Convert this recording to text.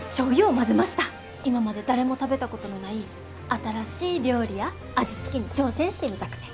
今まで誰も食べたことのない新しい料理や味付けに挑戦してみたくて。